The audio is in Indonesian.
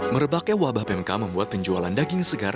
merebak ewa abah pmk membuat penjualan daging segar